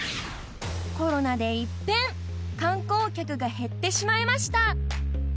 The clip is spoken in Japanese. コロナで一変観光客が減ってしまいました